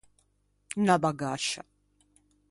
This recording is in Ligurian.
Unna bagascia.